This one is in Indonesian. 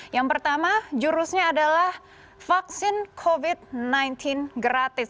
yang pertama jurusnya adalah vaksin covid sembilan belas gratis